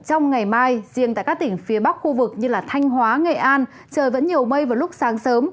trong ngày mai riêng tại các tỉnh phía bắc khu vực như thanh hóa nghệ an trời vẫn nhiều mây vào lúc sáng sớm